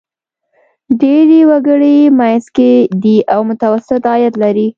ډېری وګړي منځ کې دي او متوسط عاید لري.